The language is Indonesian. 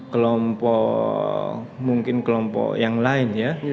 kelompok mungkin kelompok yang lain ya